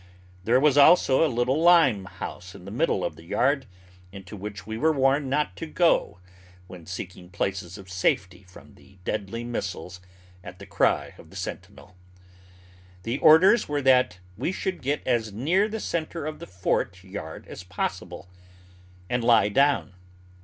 There was also a little lime house in the middle of the yard, into which we were warned not to go when seeking places of safety from the deadly missiles at the cry of the sentinel. The orders were that we should get as near the centre of the fort yard as possible and lie down.